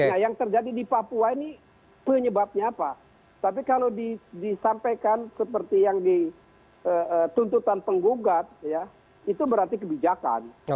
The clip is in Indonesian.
nah yang terjadi di papua ini penyebabnya apa tapi kalau disampaikan seperti yang di tuntutan penggugat ya itu berarti kebijakan